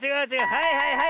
はいはいはい。